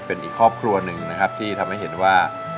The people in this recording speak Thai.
เป็นอีกครอบครัวหนึ่งนะครับที่ทำให้เห็นว่า